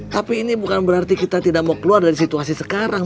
tapi ini bukan berarti kita tidak mau keluar dari situasi sekarang